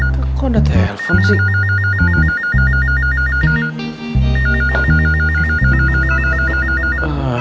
kok ada telepon sih